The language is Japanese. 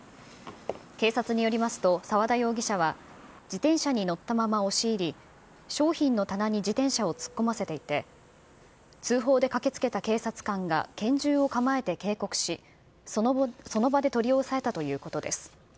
警察によりますと、沢田容疑者は、自転車に乗ったまま押し入り、商品の棚に自転車を突っ込ませていて、通報で駆けつけた警察官が拳銃を構えて警告し、その場で取り押さえたということです。